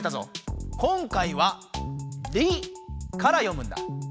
今回は「リ」から読むんだ。